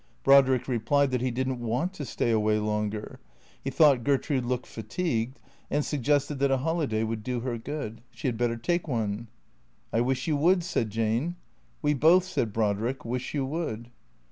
Brodrick replied that he did n't want to stay away longer. He thought Gertrude looked fatigued, and suggested that a holiday would do her good. She had better take one. " I wish you would," said Jane. " We both," said Brodrick, " wish you would."